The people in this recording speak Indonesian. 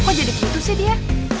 kok jadi gitu sih dia